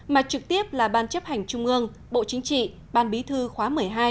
mà trực tiếp là ban chấp hành trung ương bộ chính trị ban bí thư khóa một mươi hai